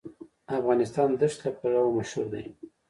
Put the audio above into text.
افغانستان د دښتې لپاره مشهور دی.